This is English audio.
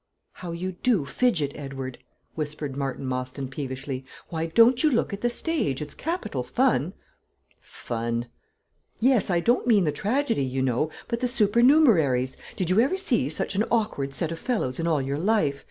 "How you do fidget, Edward!" whispered Martin Mostyn peevishly; "why don't you look at the stage? It's capital fun." "Fun!" "Yes; I don't mean the tragedy you know, but the supernumeraries. Did you ever see such an awkward set of fellows in all your life?